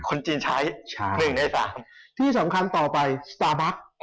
คนจีนใช้๑ใน๓ที่สำคัญต่อไปสตาร์บัค